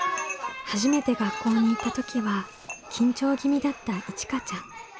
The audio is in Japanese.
初めて学校に行った時は緊張気味だったいちかちゃん。